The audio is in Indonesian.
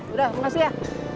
udah makasih ya